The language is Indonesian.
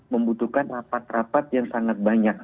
membutuhkan rapat rapat yang sangat banyak